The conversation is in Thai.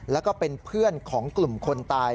แล้วก็เป็นเพื่อนของกลุ่มคนตาย